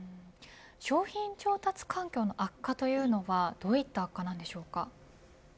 商品調達環境の悪化というのはどういったことですか。